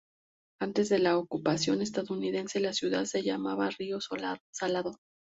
Antes de la ocupación estadounidense, la ciudad se llamaba Río Salado.